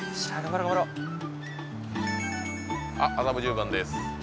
あっ麻布十番です